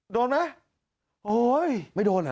โดนไหม